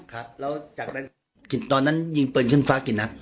ครับแล้วจากนั้นตอนนั้นยิงปืนขึ้นฟ้ากี่นัด